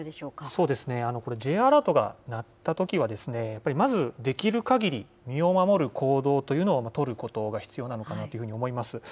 そうですね、これ、Ｊアラートが鳴ったときは、やっぱりまずできるかぎり、身を守る行動というのを取ることが必要なのかなというふうに思います。